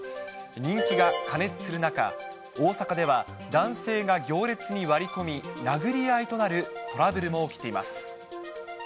人気が過熱する中、大阪では男性が行列に割り込み、殴り合いとなるトラブルも起きています。